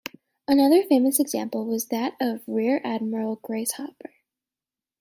Another famous example was that of Rear Admiral Grace Hopper.